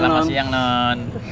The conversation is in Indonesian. selamat siang non